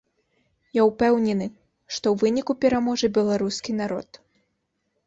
Я ўпэўнены, што ў выніку пераможа беларускі народ.